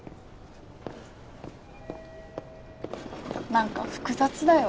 何か複雑だよ